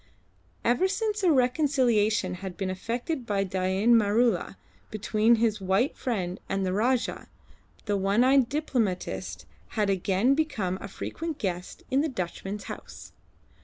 Ever since a reconciliation had been effected by Dain Maroola between his white friend and the Rajah, the one eyed diplomatist had again become a frequent guest in the Dutchman's house.